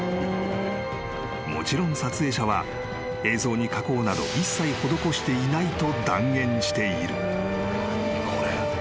［もちろん撮影者は映像に加工など一切施していないと断言している］